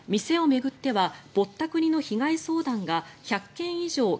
店を巡ってはぼったくりの被害相談が１００件以上